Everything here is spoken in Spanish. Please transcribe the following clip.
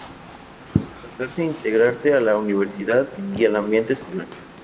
Adaptarse e integrarse a la universidad y al ambiente escolar.